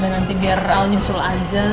baik nanti biar el nih sul aja